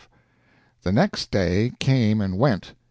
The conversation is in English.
V The next day came and went.